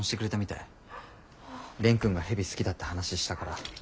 蓮くんが蛇好きだって話したから。